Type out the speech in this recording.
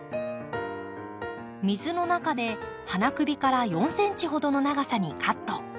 水の中で花首から４ｃｍほどの長さにカット。